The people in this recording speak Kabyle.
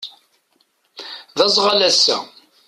D azɣal ass-a.